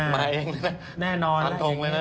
มาเองฟันทงเลยนะ